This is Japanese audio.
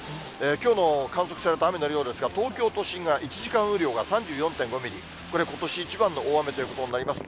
きょうの観測された雨の量ですが、東京都心が１時間雨量が３４．５ミリ、これ、ことし一番の大雨ということになります。